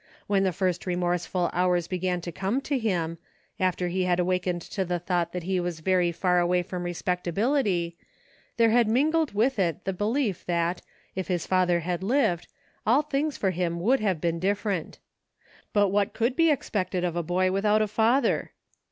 When the first re morseful hours began to come to him, after he awakened to the thought that he was very far away from respectability, there had mingled with it the belief that, if his father had lived, all things for him would have been different. But what could be expected of a boy without a father